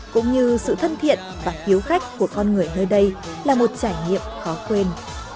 cũng như sự thân thiện và hiếu khách của con người nơi đây là một trải nghiệm khó quên